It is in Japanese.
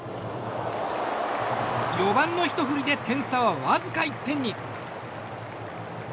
４番のひと振りで点差はわずか１点に。